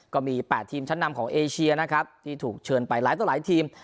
ก็มี๘ทีมชั้นนำของเอเชียนะครับที่ถูกเชิญไปหลายต่อหลายทีม